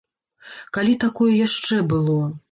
Калі такое яшчэ было?